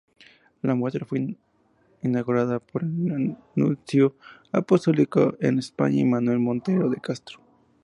La muestra fue inaugurada por el nuncio apostólico en España, Manuel Monteiro de Castro.